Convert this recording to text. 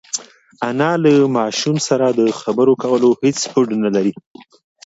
انا له ماشوم سره د خبرو کولو هېڅ هوډ نهلري.